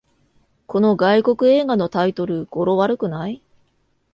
この外国映画のタイトル、語呂悪くない？